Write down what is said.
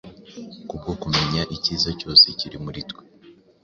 kubwo kumenya ikiza cyose kiri muri twe,